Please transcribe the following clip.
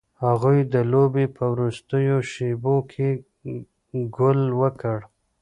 هغوی د لوبې په وروستیو شیبو کې ګول وکړ.